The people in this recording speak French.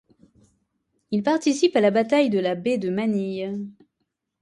Il participe à la bataille de la baie de Manille.